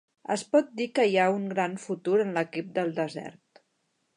Es pot dir que hi ha un gran futur en l'equip del desert.